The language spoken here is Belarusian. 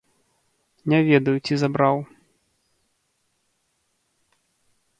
Не ведаю, ці забраў.